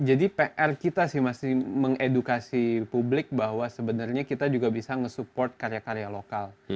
jadi pr kita sih masih mengedukasi publik bahwa sebenarnya kita juga bisa ngesupport karya karya lokal